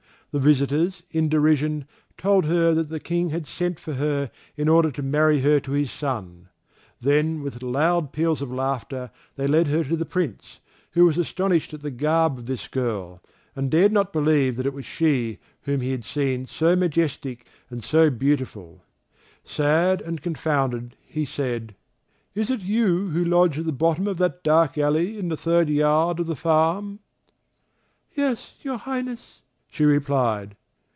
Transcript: The visitors, in derision, told her that the King had sent for her in order to marry her to his son. Then with loud peals of laughter they led her to the Prince, who was astonished at the garb of this girl, and dared not believe that it was she whom he had seen so majestic and so beautiful. Sad and confounded, he said, "Is it you who lodge at the bottom of that dark alley in the third yard of the farm?" "Yes, your Highness," she replied.